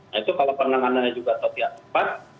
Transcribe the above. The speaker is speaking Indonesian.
nah itu kalau penanganannya juga atau tidak tepat